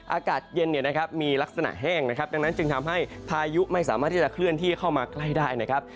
อากาศเย็นเนี่ยนะครับมีลักษณะแห้งนะครับดังนั้นจึงทำให้พายุไม่สามารถที่จะเคลื่อนที่เข้ามาใกล้ได้นะครับ